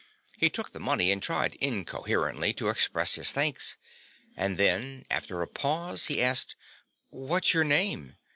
He took the money and tried incoherently to express his thanks, and then after a pause he asked, "What's your name?"